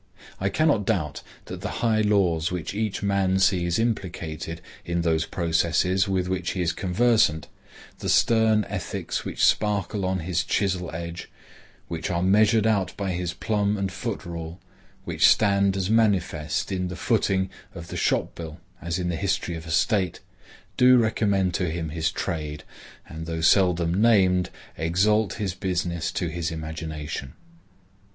I cannot doubt that the high laws which each man sees implicated in those processes with which he is conversant, the stern ethics which sparkle on his chisel edge, which are measured out by his plumb and foot rule, which stand as manifest in the footing of the shop bill as in the history of a state,—do recommend to him his trade, and though seldom named, exalt his business to his imagination.